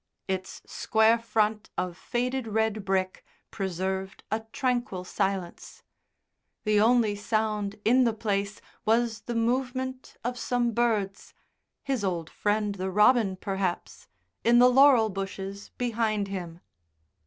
Its square front of faded red brick preserved a tranquil silence; the only sound in the place was the movement of some birds, his old friend the robin perhaps in the laurel bushes behind him.